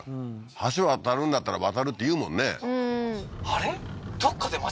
橋渡るんだったら渡るって言うもんね